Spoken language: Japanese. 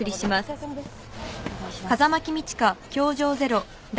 お疲れさまです。